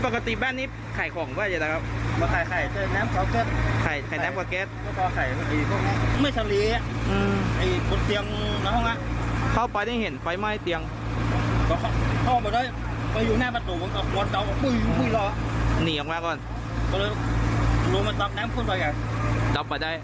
ไข่แซมกลัวกรี๊ด